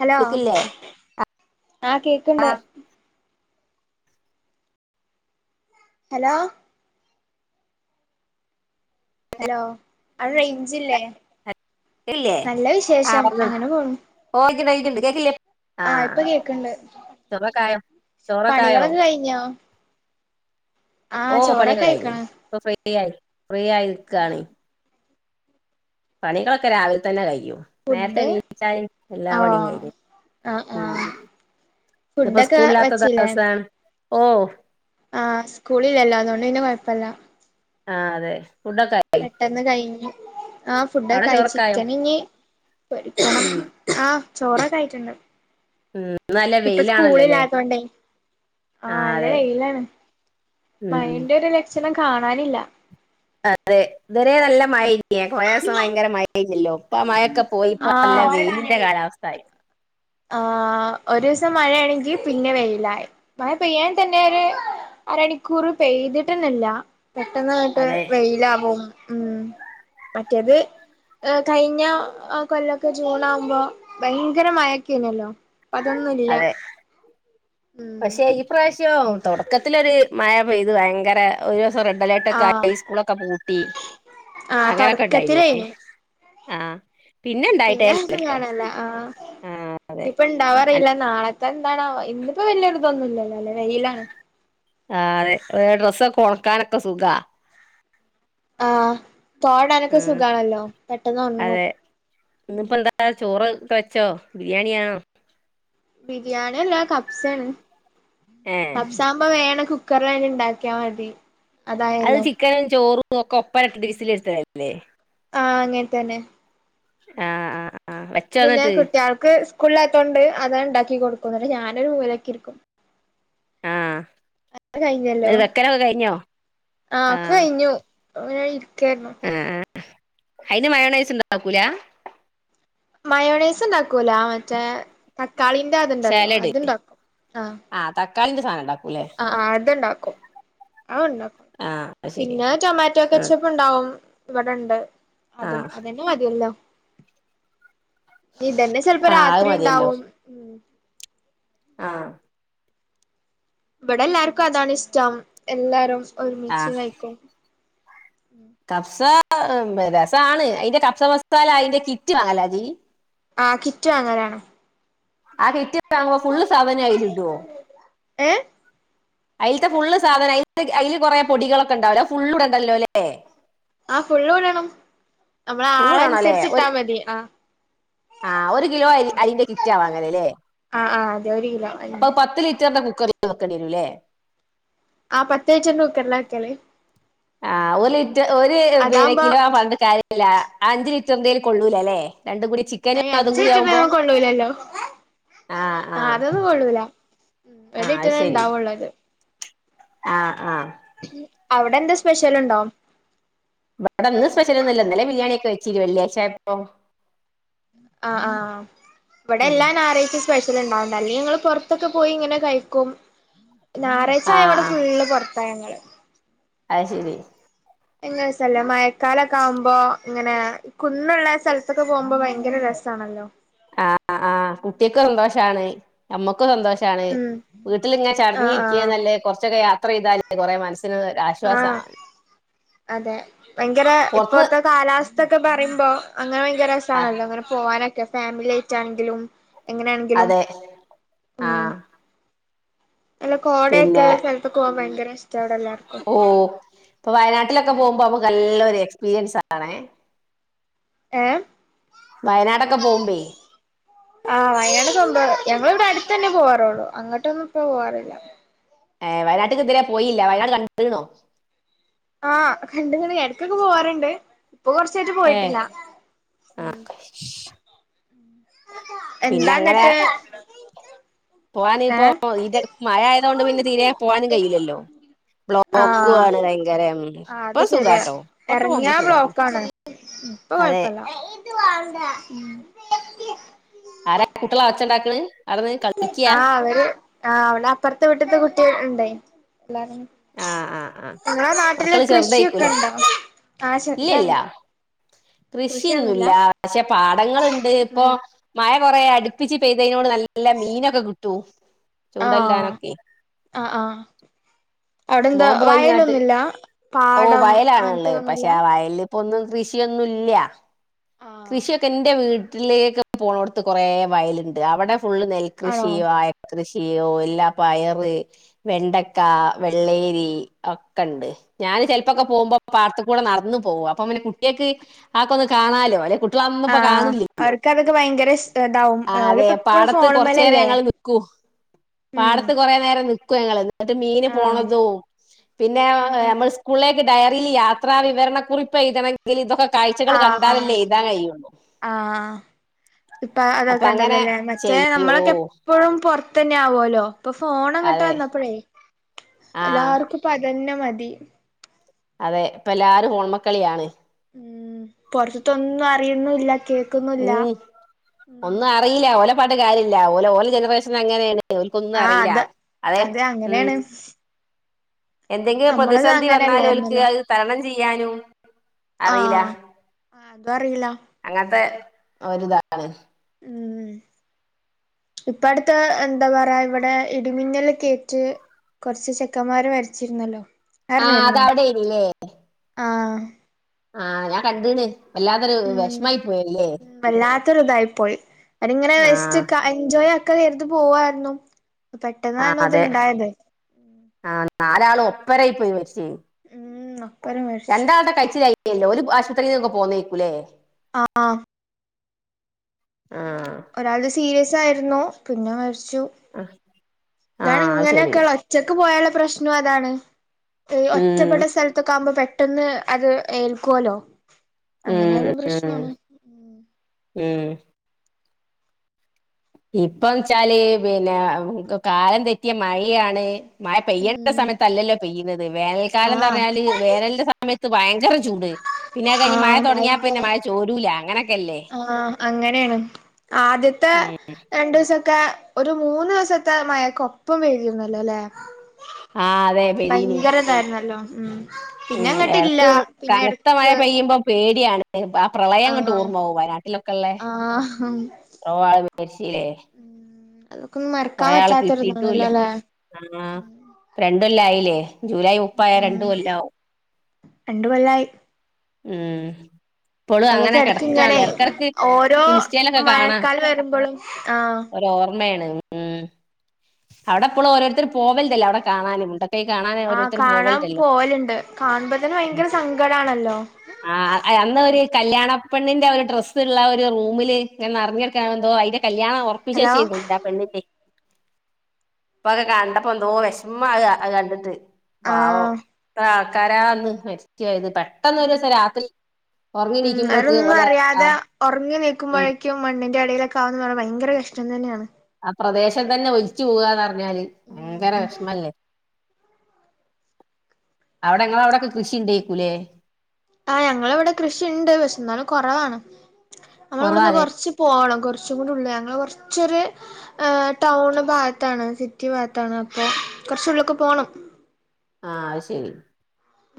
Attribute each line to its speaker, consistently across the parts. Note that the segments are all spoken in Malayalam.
Speaker 1: ഹലോ
Speaker 2: കേക്കില്ലേ
Speaker 1: ആഹ് കേക്ക്ണ്ട് ഹലോ ഹലോ അവിടെ റേയ്ഞ്ച്ല്ലേ
Speaker 2: ഇല്ലേ
Speaker 1: നല്ല വിശേഷം അങ്ങനെപോണു
Speaker 2: ഓഹ് കേക്ക്ണ്ട് കേക്ക്ണ്ട് കേക്കില്ലേ
Speaker 1: ഇപ്പൊ
Speaker 2: ആഹ്
Speaker 1: കേക്ക്ണ്ട്
Speaker 2: ചോറൊക്കായോ ചോറൊക്കായോ
Speaker 1: പണികളൊക്കെ കഴിഞ്ഞോ ആഹ്
Speaker 2: ഓഹ് പണിയൊക്കെ
Speaker 1: ചോറൊക്കെ
Speaker 2: കയിഞ്ഞ്
Speaker 1: കഴിക്ക്ണ്
Speaker 2: ഇപ്പൊ ഫ്രീ ആയി ഫ്രീ ആയി നിക്കാണ് പണികളൊക്കെ രാവിലെ തന്നെ കയ്യും ന്നേര്ത്തെ
Speaker 1: ഫുഡ്
Speaker 2: എണീച്ചാല് എല്ലാ പണിം
Speaker 1: ആഹ്
Speaker 2: കഴ്‌ഞ്ഞ്.
Speaker 1: ആഹ്
Speaker 2: ഉം.
Speaker 1: ആഹ്
Speaker 2: ഇന്ന്പ്പോ
Speaker 1: ഫുഡൊക്കെ
Speaker 2: സ്കൂളിലാത്ത
Speaker 1: വെച്ചില്ലേ
Speaker 2: ദെവസാണ് ഓഹ്.
Speaker 1: ആഹ് സ്കൂളില്ലല്ലോ അതോണ്ട് പിന്നെ കൊഴപ്പല്ല.
Speaker 2: ആഹ് അതെ ഫുഡൊക്കാ
Speaker 1: ട്ടെന്ന് കഴിഞ്ഞു ആഹ്
Speaker 2: അവിടെ
Speaker 1: ഫുഡൊക്കായി
Speaker 2: ചോറൊക്കായോ
Speaker 1: ചിക്കനി ന്നി പൊരി
Speaker 2: ഉം
Speaker 1: ആഹ് ചോറൊക്കായിട്ട്ണ്ട്.
Speaker 2: ഉം ഇന്ന് നല്ല
Speaker 1: ഇപ്പ
Speaker 2: വെയിലാണല്ലോ ല്ലേ
Speaker 1: സ്ക്കൂളില്ലാത്തോണ്ടേ
Speaker 2: ആ
Speaker 1: ആഹ് അല്ല
Speaker 2: അതെ
Speaker 1: വെയ്ലാണ്.
Speaker 2: ഉം
Speaker 1: മയൻ്റൊരു ലക്ഷണം കാണാനില്ല.
Speaker 2: അതെ ഇതെരെ നല്ല മഴയ് [unintelligible] കൊറെസം ഭയങ്കര മയേന്യല്ലോ ഇപ്പാ മഴൊക്കെ പോയി ഇപ്പ നല്ല
Speaker 1: ആഹ്
Speaker 2: വെയിലിന്റെ കാലാവസ്ഥായി.
Speaker 1: ആഹ് ഒരുസം മഴേണെങ്കി പിന്നെ വെയിലായ് മഴ പെയ്യാൻ തന്നെ ഒര് അരണിക്കൂർ പെയ്തിട്ടെന്നെല്ല. പെട്ടെന്ന്ങ്ങട്ട്
Speaker 2: അതെ
Speaker 1: വെയിലാവും ഉം മറ്റേത് എഹ് കഴിഞ്ഞ അ കൊല്ലൊക്കെ ജൂണാകുമ്പോ ഭയങ്കര മഴ ക്കേന്യല്ലോ അതൊന്നുല്ല.
Speaker 2: അതെ
Speaker 1: ഉം
Speaker 2: പക്ഷെ ഇപ്രാവശ്യം തൊടക്കത്തിലൊരു മഴ പെയ്ത് ഭയങ്കര ഒരൊസം
Speaker 1: ആഹ്
Speaker 2: റെഡലേർട്ടൊക്കായി സ്കൂളൊക്കെ പൂട്ടി.
Speaker 1: ആഹ്
Speaker 2: അങ്ങനൊക്കെണ്ടായിലെ
Speaker 1: തൊടക്കത്തിലേനു
Speaker 2: ആഹ്
Speaker 1: പിന്നെ അതൊന്നും കാണാല്ല ആഹ്
Speaker 2: ആഹ്
Speaker 1: ഇഞ്പ്പണ്ടാവോ അറീല്ല നാളെ തെന്താണാവോ ഇന്ന്പ്പോ വെയ്ലൊരിതൊന്നുല്ലല്ലോ ല്ലെ വെയിലാണ്.
Speaker 2: ആഹ് അതെ ഏഹ് ഡ്രസ്സൊക്കൊണക്കാനൊക്കെ സുഖാ.
Speaker 1: ആഹ് തോരടാനൊക്കെ
Speaker 2: ഉം
Speaker 1: സുഖാണല്ലോ പെട്ടെന്നൊണങ്ങും
Speaker 2: അതെ
Speaker 1: ഉം
Speaker 2: [unintelligible] ചോറ് കഴിച്ചോ ബിരിയാണ്യാണോ?
Speaker 1: ബിരിയാണ്യല്ല കബ്സെണ്
Speaker 2: ഏഹ്
Speaker 1: കബ്സ ഇപ്പ വേണം കുക്കറിലാണ്ട്ണ്ടാക്ക്യാ മതി.
Speaker 2: അത്
Speaker 1: അതായല്ലോ
Speaker 2: ചിക്കനും ചോറും ഒക്കെ ഒപ്പരെട്ട്ട്ട് വിസിലട്ച്ചെലേക്കുല്ലേ
Speaker 1: ആഹ് അങ്ങൻ തെന്നെ
Speaker 2: ആഹ് ആഹ് ആഹ് വെച്ചോ
Speaker 1: പിന്നെ
Speaker 2: എന്നിട്ട്
Speaker 1: കുട്ട്യാൾക്ക് സ്കൂളിലാത്തോണ്ട് അതാണ്ടാക്കി കൊട്ക്ക്ണത് ഞാനൊരു മൂലക്കിരിക്കും.
Speaker 2: ആഹ്
Speaker 1: അത് കഴിഞ്ഞല്ലോ
Speaker 2: എന്നിട്ട് വെക്കലൊക്കെ കഴിഞ്ഞോ
Speaker 1: ആഹ് ഒക്കെ കഴിഞ്ഞു. ഇങ്ങനെ ഇരിക്കെന്നെ
Speaker 2: ആഹ് ആഹ് അയ്ന് മയോണൈസ് ണ്ടാക്കൂല?
Speaker 1: മയോണൈസ് ണ്ടാക്കൂല മറ്റേ തക്കാളിന്റെ അത്ണ്ടല്ലോ അത്ണ്ടാക്കും. ആഹ്
Speaker 2: ആഹ് തക്കാളിന്റെ സാനണ്ടാ
Speaker 1: ആഹ് ആഹ് അത്ണ്ടാക്കും അത് ണ്ടാക്കും.
Speaker 2: ആഹ് [unintelligible]
Speaker 1: പിന്നെ ടൊമാറ്റോ തെച്ചപ്പ് ണ്ടാവും. ഇവടെണ്ട്
Speaker 2: ആ
Speaker 1: അതും അതെന്നെ മത്യല്ലോ. ഇതെന്നെ ചെല് പ്പോ
Speaker 2: ആ അത്
Speaker 1: രാത്രി
Speaker 2: മതിയല്ലോ
Speaker 1: ണ്ടാവും.
Speaker 2: ആഹ്
Speaker 1: ഇബടെ ല്ലാർക്കും അതാണിഷ്ടം എല്ലാരും
Speaker 2: ആ
Speaker 1: ഒരുമിച്ച് കഴിക്കും.
Speaker 2: കഫ്സാ രസാണ് അയ്ന്റെ കബ്സ മസാല അയ്ന്റെ കിറ്റ് വാങ്ങലരി.
Speaker 1: ആഹ് കിറ്റ് വാങ്ങലാണ്.
Speaker 2: ആഹ്, കിറ്റ് [unintelligible] ഫുള്ള് സാധന അയില് ഇടോ?
Speaker 1: ഏഹ്
Speaker 2: അയിൽത്തെ ഫുള്ള് സാധനം അയി അയില് കുറെ പൊടികളൊക്കെ ഇണ്ടാവുലെ അത് ഫുള്ള് ഇടണ്ടല്ലോ അല്ലേ
Speaker 1: ആഹ്, ഫുള്ളു ഇടണം, നമ്മള്
Speaker 2: ഫുള്ള്
Speaker 1: ആളെ അനുസരിച്ചിട്ടാൽ മതി, ആഹ്.
Speaker 2: ആഹ്, ഒരു കിലോ അരി അയിന്റെ കിറ്റാവാങ്ങല് ല്ലേ
Speaker 1: ആ ആ അതെ ഒരു കിലോ
Speaker 2: അപ്പൊ
Speaker 1: അതിന്റെ
Speaker 2: അഹ് പത്ത് ലിറ്ററിന്റെ കുക്കറിൽ വെക്കേണ്ടി വരുല്ലേ.
Speaker 1: ആഹ്, പത്ത് ലിറ്ററിന്റെ കുക്കറിലാ വെക്കല്.
Speaker 2: ആഹ്, ഒരു ലിറ്റ ഒരു പിന്നെ
Speaker 1: അതാവുമ്പോ
Speaker 2: കിലോ ആഹ് പറഞ്ഞിട്ട് കാര്യ ല്ല അഞ്ച് ലിറ്ററിന്റെല് കൊള്ളൂലല്ലേ രണ്ടും കൂടി ചി
Speaker 1: ഏയ് അഞ്ച് ലിറ്ററിന്റെനൊന്നും കൊള്ളൂലല്ലോ. ആഹ്, അതൊന്നും കൊള്ളൂല, ഉം ഒരു
Speaker 2: ആഹ് അത്
Speaker 1: ലിറ്ററേ
Speaker 2: ശരി
Speaker 1: ഇണ്ടാവുള്ളൂ അത്.
Speaker 2: ആഹ്, ആഹ്.
Speaker 1: അവിടെ എന്താ സ്പെഷ്യൽ ഉണ്ടോ?
Speaker 2: ഇവട ഇന്നു സ്പെഷ്യൽ ഒന്നുല്ല. ഇന്നലെ ബിരിയാണി ഒക്കെ വെച്ചിനി വെള്ളിയാഴ്ച ആയപ്പം.
Speaker 1: ആഹ്, ആഹ് ഇവിടെ
Speaker 2: ഉം
Speaker 1: എല്ലാ ഞായറാഴ്ചയും സ് പെഷ്യൽ ഉണ്ടാവല്ണ്ട് അല്ലെങ്കിൽ ഞങ്ങള് പുറത്തൊക്കെ പോയി ഇങ്ങനെ കഴിക്കും. ഞായറാഴ്ച്ച ആയ ഇവിടെ
Speaker 2: ആഹ്
Speaker 1: ഫുള്ള് പുറത്താ ഞങ്ങള്.
Speaker 2: അഹ് ശരി.
Speaker 1: നല്ല രസല്ലേ മഴക്കാലൊക്കെ ആവുമ്പോൾ ഇങ്ങനെ കുന്നുള്ള സ്ഥലത്തൊക്കെ പോവുമ്പോൾ ഭയങ്കരം രസാണല്ലോ.
Speaker 2: ആഹ ആഹ് കുട്ടിൾക്ക്‌ സന്തോഷാണ്, നമ്മ ക്കു സന്തോഷാണ്
Speaker 1: ഉം
Speaker 2: വീട്ടിലിങ്ങനെ ചടഞ്ഞ്
Speaker 1: ആഹ്
Speaker 2: ഇരിക്ക്‌ണെ
Speaker 1: ആഹ്
Speaker 2: നല്ലെ കുറച്ചൊക്കെ യാത്ര ചെയ്താല് കുറേ മനസ്സിന്
Speaker 1: ആഹ്,
Speaker 2: ആശ്വാസാണല്ലോ
Speaker 1: അതെ. ഭയങ്കരം
Speaker 2: പുറത്ത്
Speaker 1: ഇപ്പോഴത്തെ കാലാവസ്ഥൊക്കെ പറയുമ്പോൾ അങ്ങനെ ഭയങ്കരം
Speaker 2: ആഹ്
Speaker 1: രസാണല്ലോ ഇങ്ങനെ പോ പോവാനൊക്കെ ഫാമിലി ആയിട്ടാണെങ്കിലും എങ്ങനെയാണെങ്കിലും,
Speaker 2: അതെ
Speaker 1: ഉം
Speaker 2: ആഹ്
Speaker 1: നല്ല
Speaker 2: പിന്നെ
Speaker 1: കോടയൊക്കെള്ള സ്ഥലത്ത്ക്ക്‌ പോകാൻ ഭയങ്കരം ഇഷ്ട ഇവിടെ എല്ലാർക്കും.
Speaker 2: ഇപ്പ വയനാട്ടിലൊക്കെ പോവുമ്പോൾ നമുക്ക് നല്ലൊരു എക്സ്പീരിയൻസ് ആണേ.
Speaker 1: ഏഹ്
Speaker 2: വയനാടൊക്കെ പോവുമ്പേ
Speaker 1: ആഹ്, വയനാടക്കെ മുമ്പ് ഞങ്ങളിവിടെ അടുത്തു തന്നെ പോവാറുള്ളു അങ്ങട്ടൊന്നും ഇപ്പോ പോവാറില്ല.
Speaker 2: ഏഹ്, വയ്നാട്ട്ക്ക്‌ ഇതരെ പോയില്ലാ വയനാട് കണ്ട്ണോ?
Speaker 1: ആഹ്, കണ്ട്ക്ക്‌ണ് ഞാന് എടക്കൊക്കെ പോവാറുണ്ട് ഇപ്പൊ കൊറച്ചായിട്ട്
Speaker 2: ഏ
Speaker 1: പോയിട്ടില്ല, ഉം.
Speaker 2: [inaudible] പിന്നെ
Speaker 1: എന്താ
Speaker 2: അങ്ങനെ
Speaker 1: എന്നിട്ട്?
Speaker 2: പോവാന് ഇപ്പോ ഈന്റെടക്ക് മഴ ആയത് കൊണ്ട് പിന്നെ തീരെ പോവാനും കഴിയിലല്ലോ. ബ്ലോക്കു
Speaker 1: ആഹ്
Speaker 2: ആണ് ഭയങ്കരം
Speaker 1: ആഹ്
Speaker 2: ഇപ്പൊ
Speaker 1: അത് ശരിയാ
Speaker 2: സുഖാട്ടോ ഒക്കെ പോവുമ്പം സുഖാണ്.
Speaker 1: ഉം ഇപ്പൊ
Speaker 2: അതെ
Speaker 1: കൊഴപ്പല്ല ഉം.
Speaker 2: ആരാ കുട്ടികള ഒച്ചണ്ടാക്ക്‌ണ് അവിടുന്ന് കളിക്ക്?
Speaker 1: ആഹ് അവര് ആഹ്, ഇവിടെ അപ്പോർത്തെ വീട്ട്ൽത്തെ കുട്ടി ഇണ്ടെ എല്ലാരും
Speaker 2: ആ ആ ആ
Speaker 1: ഇങ്ങളെ നാട്ടില്
Speaker 2: മക്കള്
Speaker 1: കൃഷിയൊക്കെ
Speaker 2: ചെറുതായിക്കൂലേ
Speaker 1: ഇണ്ടോ? ആ ചെറുതാണ്.
Speaker 2: ഇല്ലില്ല കൃഷിയൊന്നുല്ല. പക്ഷെ, പാടങ്ങള്ണ്ട് ഇപ്പൊ
Speaker 1: ഉം
Speaker 2: മഴ കുറേ അടുപ്പിച്ച് പെയ്തയ്നോണ്ട് നല്ല മീനൊക്കെ കിട്ടൂ
Speaker 1: ആഹ്
Speaker 2: ചൂണ്ടലിടാനൊക്കെ.
Speaker 1: ആഹ്, ആഹ് അവിടെ എന്താ
Speaker 2: മോൻ പോയിങ്ങാട്ട്
Speaker 1: വയലൊന്നുല്ല പാടം അങ്ങൻത്തൊന്നുല്ല?
Speaker 2: പ്പൊന്നും കൃഷിയൊന്നുംല്യ കൃഷിയൊക്കെ ന്റെ വീട്ടിലേക്ക് പോണോട്ത്ത് കൊറേ വയല്ണ്ട് അവടെ ഫുള്ള്
Speaker 1: ആണോ
Speaker 2: നെൽകൃഷി വായ കൃഷിയോ എല്ലാ പയറ് വെണ്ടക്ക വെള്ളേരി അക്കെണ്ട് ഞാൻ ചെൽപ്പോക്കെ പോവുമ്പോ പാട്ത്ക്കൂടെ നട്ന്ന് പോവും. അപ്പൊ പിനെ കുട്ട്യേക്ക് ആക്കൊന്ന് കാണാലോ ഓലെ ട്ട്യളൊന്നുപ്പോ
Speaker 1: ആഹ്
Speaker 2: കാണ്ല്ല്യല്ലോ.
Speaker 1: അവർക്ക് അതൊക്കെ ഭയങ്കര ഇഷ് ഇതാവും
Speaker 2: ആഹ് അതെ
Speaker 1: ഓലിപ്പ എപ്പളും
Speaker 2: പാടത്ത് കൊർചേരം
Speaker 1: ഫോണുമ്മലല്ലേ
Speaker 2: ഞങ്ങള് നിക്കും
Speaker 1: ഉം
Speaker 2: പാടത്ത് കൊ റേ നേരം നിക്കു ഞങ്ങള്. എന്നിട്ട് മീന്
Speaker 1: ആഹ്
Speaker 2: പോണതും പിന്നെ
Speaker 1: ഉം ഉം
Speaker 2: ഞമ്മൾ സ്കൂള്ലേക്ക് ഡയറില് യാത്രാ വിവരണ കുറിപ്പെഴ്തണെങ്കില് തൊക്കെ കാഴ്കൾ
Speaker 1: ആഹ്
Speaker 2: കണ്ടാലല്ലേ എഴുതാൻ കഴിയുള്ളൂ
Speaker 1: ആഹ് ഇപ്പ
Speaker 2: അപ്പൊ അങ്ങനെ
Speaker 1: അതൊക്കെണ്ടല്ലോല്ലേ മറ്റേ
Speaker 2: ചെയ്യൂ ഓ
Speaker 1: ഞമ്മളൊക്കെ പ്പളും പൊർത്തന്നെ ആവുല്ലോ പ്പൊ ഫോണങ്ങട്ട്
Speaker 2: അതെ
Speaker 1: വന്നപ്പഴേ
Speaker 2: ആ
Speaker 1: എല്ലാർക്കും പ്പ തന്നെമതി
Speaker 2: അതെ ഇപ്പെല്ലാരും ഹോണ്മക്കളിയാണ്.
Speaker 1: ഉം പൊർത്ത്‌ത്തൊന്നും അറിയുന്നുല്ല കേ
Speaker 2: ഉം ഒന്നുഅറീല ഓല പർഞ്ഞിട്ടു കാര്യല്ല ഓലോൽ ജനറേഷനങ്ങനേണ് ഓൽകൊന്നും
Speaker 1: ആഹ്
Speaker 2: അറീലാ,
Speaker 1: അത്
Speaker 2: അതെ ഉം എന്തെങ്കി ഒരു
Speaker 1: നമ്മളത്
Speaker 2: പ്രതിസന്ധി വന്നാലോൽക്ക്
Speaker 1: അങ്ങനെയല്ലായിരുന്നല്ലോ
Speaker 2: അഹ് തരണം ചെയ്യാനും
Speaker 1: ആഹ് ആ എന്താ അറിയില്ല
Speaker 2: അങ്ങത്തെ ഒര്താണ്
Speaker 1: ഇപ്പടുത് എന്താ പറയാ ഇവിടെ ഇടിമിന്നലക്കേറ്റ് കൊർച്ച് ചെക്കന്മാര് മര്ച്ചിരുന്നല്ലോ അഹ്
Speaker 2: ആ
Speaker 1: അർഞ്ഞിര്ന്നോ
Speaker 2: അതവിടെ ഇനില്ലേ
Speaker 1: ആഹ്
Speaker 2: ആഹ് ഞാൻ കണ്ട്ണ്
Speaker 1: ഉം വല്ലാത്തൊരു തായിപ്പോയി അരിങ്ങനെ
Speaker 2: ആഹ്
Speaker 1: വസ്റ്റ് ക എൻജോയ്ആക്ക കരുതി പോവാരുന്നു
Speaker 2: ആഹ് അതെ ആഹ് നാലാളു ഒപ്പരായി പോയി മര്ച്ചോയി
Speaker 1: ഉം അപ്പര് മരിച്ചു
Speaker 2: രണ്ടാളെട്ട കയ്ച്ചിലായീന്യല്ലോ ഓല് ആശുപത്രിന്നൊക്കെ പോന്നേക്കൂലേ
Speaker 1: ആഹ്
Speaker 2: ആഹ്
Speaker 1: ഒരാൾത് സീരിയസായിരുന്നു. പിന്നെ മരിച്ചു
Speaker 2: ആഹ് അത് ശരി
Speaker 1: താണ്ങ്ങനൊക്കെള്ള ഒറ്റക്ക് പോയാള്ള പ്രശ്നു അതാണ് ഹ്
Speaker 2: ഉം
Speaker 1: ഒറ്റപ്പെട്ട സ്ഥൽത്തൊക്കാകുമ്പോ പെട്ടന്ന് അത് ഏൽക്കോല്ലോ അങ്ങനെ
Speaker 2: ഉം
Speaker 1: ആയാലും
Speaker 2: ഉം
Speaker 1: പ്രശ്നണ്
Speaker 2: ഉം ഇപ്പം ച്ചാല് പിന്നെ കാലം തെറ്റിയ മഴീയാണ് മഴ പെയ്യണ്ട
Speaker 1: ഉം
Speaker 2: സമയത്തല്ലല്ലോ പെയ്യുന്നത് വേനൽക്കാലം
Speaker 1: ആഹ്
Speaker 2: ന്നർഞ്ഞാല് വേനൽന്റെ സമയത്ത് ഭയങ്കരം ചൂട് പിന്നഹ് കയ്ഞ്ഞ് മഴ
Speaker 1: ആഹ് ഭയങ്കര
Speaker 2: തൊടങ്ങിയാപ്പിന്നെ മഴ ചോരൂല അങ്ങനൊക്കെല്ലേ
Speaker 1: ആഹ് അങ്ങനേണ് ആദ്യത്തെ
Speaker 2: ഉം
Speaker 1: രണ്ടീസൊക്കെ ഒരു മൂന്ന് ദിവസത്തെ മഴക്കൊപ്പം പെയ്തിരുന്നല്ലോ ല്ലെ
Speaker 2: ആഹ് അതെ പെയ്തീനി
Speaker 1: ണ്ടായിര്ന്നല്ലോ ഉം
Speaker 2: ഉം
Speaker 1: പിന്നെ അങ്ങട്ടില്ല
Speaker 2: എടക്ക്
Speaker 1: പിന്നെ
Speaker 2: കനത്ത മഴ
Speaker 1: എടക്ക്
Speaker 2: പെയ്യുമ്പം പേട്യാണ് ആ
Speaker 1: ആഹ്
Speaker 2: പ്രളയങ്ങട്ട്ഓർമ്മാവും വയനാട്ടിലൊക്കെള്ളെ,
Speaker 1: ആഹ്
Speaker 2: [inaudible] ആള് മര്ച്ചീലേ
Speaker 1: അതൊക്കെ ഒന്നും മറക്കാൻ
Speaker 2: കൊറേ ആളെ കിട്ടീട്ടുല്ല
Speaker 1: പറ്റാത്തൊരിതാണല്ലോ അല്ലെ
Speaker 2: ആഹ് പ്പ രണ്ട് കൊല്ലായിലേ ജൂലൈ മുപ്പായ രണ്ട്
Speaker 1: ഉം
Speaker 2: കൊല്ലാവും
Speaker 1: രണ്ട് കൊല്ലായി
Speaker 2: ഉം പ്പളും അങ്ങനെ
Speaker 1: അതൊക്കെ എടക്ക് ഇങ്ങനെ
Speaker 2: കെടക്കാണ്ല്ലേ എട്ക്കെട്ക്ക്
Speaker 1: ഓരോ
Speaker 2: ഇൻസ്റ്റേലൊക്കെ കാണാ
Speaker 1: മഴക്കാലം വരുമ്പളും ആഹ്
Speaker 2: ഓർമ്മേണ് ഉം അവിടെ ഇപ്പളും ഓരോരുത്തർ പോവലുണ്ടല്ലോ അടെ കാനന്ന് മുണ്ട
Speaker 1: ആഹ് കാണാൻ പോവലുണ്ട് കാണുമ്പോ തന്നെ
Speaker 2: ഉം
Speaker 1: ഭയങ്കര സങ്കടമാണല്ലോ
Speaker 2: ആഹ് അന്ന് ഒരു കല്യാണപ്പണ്ണിന്റെ ഒരു ഡ്രസ്സ്ള്ള ഒരു റൂമില് ഇങ്ങനെ നിറഞ്ഞ കിടക്കാൻന്തോ അയി കല്യാണം
Speaker 1: ഹലോ
Speaker 2: ഉറപ്പിചെന്നു ആ പെണ്ണിന്റെ ഇപ്പൊക്കെ കണ്ടപ്പോ എന്തോ വിഷമാ അഹ് കണ്ടിട്ട് പാവം
Speaker 1: ആഹ്
Speaker 2: ഇപ്പ ക്കാരാന്ന് മരിച്ചുയത് പെ പെട്ടെന്ന് ഒരു ദിവസ രാത്രി ഉറങ്ങിന
Speaker 1: ഉം
Speaker 2: നീക്കുമ്പൾക്ക്
Speaker 1: അവരൊന്നും
Speaker 2: ഓലെ ആ ഉ
Speaker 1: റ്റും മണ്ണിന്റെറെടയിലക്ക ആകുന്ന ഭയങ്കര കഷ്ടം തന്നെയാണ്
Speaker 2: ആ പ്രദേശം തന്നെ ഒലിച്ചു പോവാന്ന് പറഞ്ഞാല് ഭയങ്കര വെഷമല്ലേ അവിടെ നിങ്ങളെ അവിടെക്ക കൃഷി ഇണ്ടേക്കൂലേ
Speaker 1: ആഹ് ഞങ്ങള ഇവിടെ കൃഷിണ്ട് പക്ഷെ എന്നാലും കുറവാണ് നമ്മള ഇവിടുന്ന്
Speaker 2: കുറവാലേ
Speaker 1: കുറച്ച് പോണം കുറച്ചും കൂടി ഉള്ള ഞങ്ങള്ൾ കുറച്ചൊരു ഏ ടൗൺ ഭാഗത്താണ് സിറ്റി ഭാഗത്താണ് അപ്പൊ കുറച്ഉള്ളിക്ക് പോണം
Speaker 2: ആഹ് അയ് ശരി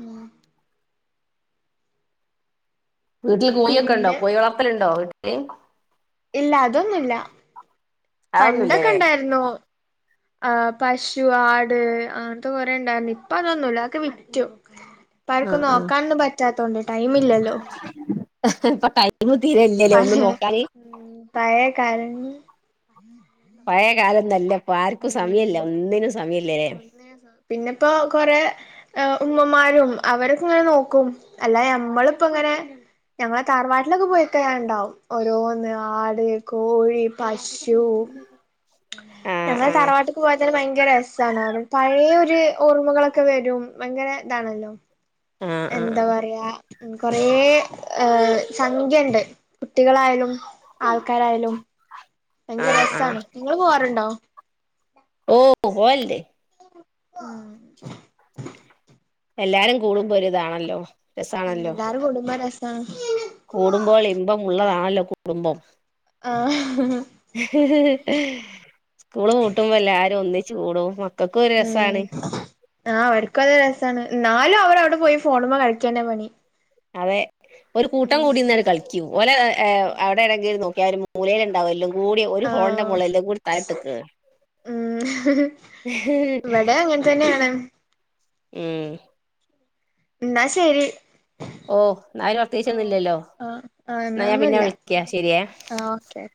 Speaker 1: ഉം
Speaker 2: വീട്ടില് കോഴിയൊക്കെ ഉണ്ടോ
Speaker 1: പിന്നെ
Speaker 2: കോഴി വളർത്തലുണ്ടോ വീട്ടില്
Speaker 1: ഇല്ല അതൊന്നുമില്ല പണ്ടൊക്കെ
Speaker 2: അതൊന്നുംല്ലല്ലേ
Speaker 1: ഇണ്ടായിരുന്നു ആഹ് പശു ആട് അങ്ങനത്തെ കൊറെ ഇണ്ടായിന്ന് ഇപ്പ അതൊന്നുല്ല അതൊക്കെ വിറ്റു ഇപ്പ ആയിക്ക്
Speaker 2: ആഹ് ആഹ്
Speaker 1: നോക്കാനൊന്നും പറ്റാത്തോണ്ട് ടൈം ഇല്ലല്ലോ
Speaker 2: ഇപ്പൊ ടൈമ് തീരല്ലല്ലേ ഒന്നും നോക്കാൻ
Speaker 1: ഉ പായ കാലണ ഉം
Speaker 2: പഴയ കാലം നല്ല ഇപ്പൊ ആർക്കും സമയമല്ല ഒന്നിനും സമയമല്ലല്ലേ
Speaker 1: പിന്നെ ഇപ്പോ കൊറേ ഹെ ഉമ്മമാരും അവരൊക്കെ ഇങ്ങനെ നോക്കും അല്ലാ നമ്മളിപ്പ ഇങ്ങനെ ഞങ്ങളെ താറവാട്ടിലൊക്കെ പോയിക്കന് ഞാൻ ഉണ്ടാവും ഓരോന്ന് ആട് കോഴി പശു
Speaker 2: ആഹ്
Speaker 1: ഞങ്ങൾ
Speaker 2: ആഹ്
Speaker 1: തറവാട്ടക്ക് പോയാ തന്നെ ഭയങ്കര രസമാണ് അവിടെ പഴയൊ ഒരു ഓർമ്മകളൊക്കെ വരും ഭയങ്കര ഇതാണല്ലോ
Speaker 2: ആഹ്
Speaker 1: എന്താ
Speaker 2: ആഹ്
Speaker 1: പറയാ ഉ കൊറെ ഏ സംഖ്യുണ്ട് കുട്ടികളായാലും ആൾക്കാരായാലും ഭയങ്കര
Speaker 2: ആഹ്
Speaker 1: രസമാണ്
Speaker 2: ആഹ്
Speaker 1: നിങ്ങള്ൾ പോവാറുണ്ടോ
Speaker 2: ഓ പോവലുണ്ട്
Speaker 1: ആം
Speaker 2: എല്ലാരും കൂടുമ്പോ ഒരുരിതാണല്ലോ
Speaker 1: ഉം
Speaker 2: രസമാണല്ലോ
Speaker 1: എല്ലാരും കൂടുമ്പോ രസാണ്
Speaker 2: കൂടുമ്പോുകൾ ഇമ്പം ഉള്ളതാണല്ലോ കുടുംബം
Speaker 1: ആഹഹ
Speaker 2: ഉ സ്കൂള് പൂട്ടുമ്പോൾ എല്ലാരും ഒന്നിച്ച് കൂടും മക്കൾക്കും ഒരു
Speaker 1: ഉം
Speaker 2: രസമാണ്
Speaker 1: ആഹ് അവർക്കും അത് രസമാണ് നാലും അവർ അവിടെ പോയി ഫോണുമ്പോ കളിക്കല്ലേ പണി
Speaker 2: അതെ ഒരു കൂട്ടം
Speaker 1: ഉം
Speaker 2: കൂടിന്ന കളി ക്യൂ ഓലേഅവിടെടെങ്കില നോക്കിയ അവ ഒരു മൂലൽ ഉണ്ടാവുമല്ലോ കൂടിയ ഒരു ഫോണിൻറെ
Speaker 1: ആഹ്
Speaker 2: മോളിൽ എല്ലാം കൂടി തലട് നിക്ക്
Speaker 1: ഉം
Speaker 2: ഹി ഹി ഏ
Speaker 1: ഇവിടെ അങ്ങനെ തന്നെയാണ്
Speaker 2: മ്
Speaker 1: എന്നാ ശരി
Speaker 2: ഓഹ് എന്നാ അയ്ല് പ്രത്യേകിച്ച്
Speaker 1: ഓ
Speaker 2: ഒന്നു ഇല്ലല്ലൊ
Speaker 1: ആ ആ
Speaker 2: എന്നാ ഞാൻ പിന്നെ
Speaker 1: ഒന്നുല്ല
Speaker 2: വിളിക്ക്യാ ശെരിയേ
Speaker 1: ആ ഓക്കെ ഓക്കെ